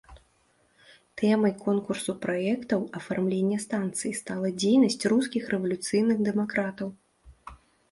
Тэмай конкурсу праектаў афармлення станцыі стала дзейнасць рускіх рэвалюцыйных дэмакратаў.